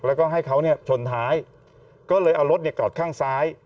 แล้วก็ให้เขาชนท้ายก็เลยเอารถจอดข้างซ้าย